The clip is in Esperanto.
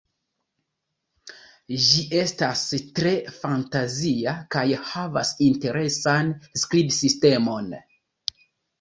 Ĝi estas tre fantazia kaj havas interesan skribsistemon.